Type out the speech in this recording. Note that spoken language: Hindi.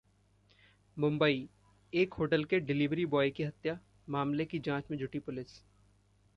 मुंबई: एक होटल के डिलीवरी ब्वॉय की हत्या, मामले की जांच में जुटी पुलिस